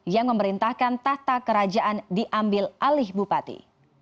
yang memerintahkan tahta kerajaan diambil alih bupati